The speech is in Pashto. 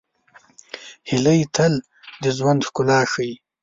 هیلۍ تل د ژوند ښکلا ښيي